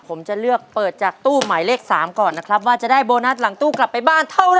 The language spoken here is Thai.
ผมจะเลือกเปิดจากตู้หมายเลข๓ก่อนนะครับว่าจะได้โบนัสหลังตู้กลับไปบ้านเท่าไห